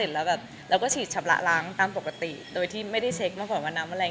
ค่ะปกติเวลาเราเข้าเนี่ยเราต้องเช็คขวดสิบครั้งใช่ไหม